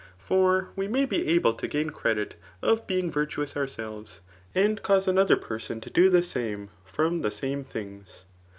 For we may be able to gain the credit of being Tirtuous ourselves, and cause another person to do the same, from the same things.